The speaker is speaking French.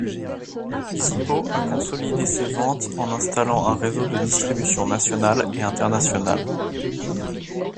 Zippo a consolidé ses ventes en installant un réseau de distribution national et international.